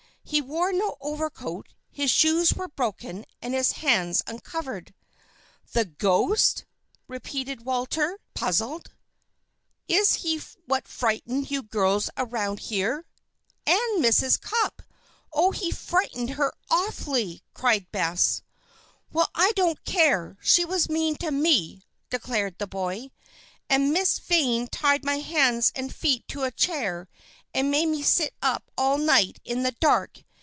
He wore no overcoat, his shoes were broken, and his hands uncovered. "The ghost?" repeated Walter, puzzled. "Is he what frightened you girls around here?" "And Mrs. Cupp! Oh, he frightened her awfully!" cried Bess. "Well, I don't care! she was mean to me," declared the boy. "And Miss Vane tied my hands and feet to a chair and made me sit up all night in the dark.